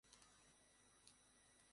এই অপহরণ অপহরণ খেলায় মিথ্যা বলতে হয়।